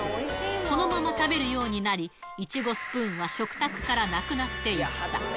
そのまま食べるようになり、イチゴスプーンは食卓からなくなっていった。